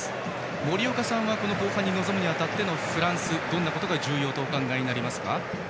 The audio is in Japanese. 森岡さんは後半に臨むにあたってフランス、どんなことが重要とお考えですか。